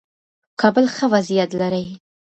کابل ښه وضعیت لري.